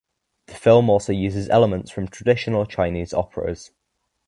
The film also uses elements from traditional Chinese operas.